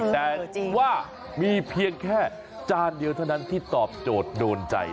แต่ว่ามีเพียงแค่จานเดียวเท่านั้นที่ตอบโจทย์โดนใจ